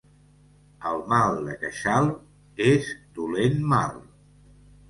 El mal de queixal és dolent mal.